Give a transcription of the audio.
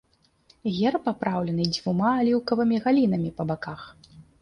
Герб апраўлены дзвюма аліўкавымі галінамі па баках.